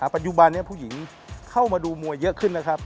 ปัจจุบันนี้ผู้หญิงเข้ามาดูมวยเยอะขึ้นนะครับ